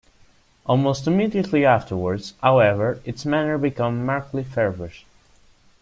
Almost immediately afterwards, however, its manner became markedly feverish.